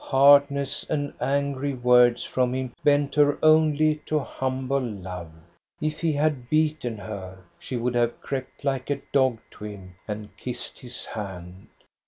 Hard ness and angry words from him bent her only to humble love. If he had beaten her, she would have crept like a dog to him and kissed his hand.